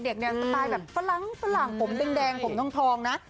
สไตล์แบบฝรั่งผมแดงผมทองนะ